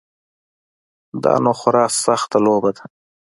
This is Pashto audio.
دا نو خورا سخته لوبه ده.